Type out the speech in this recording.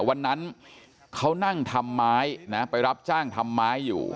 วันนั้นเขานั่งทำไมนะไปรับจ้างทำไม้อยู่